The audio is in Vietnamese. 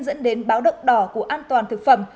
dẫn đến báo động đỏ của an toàn thực phẩm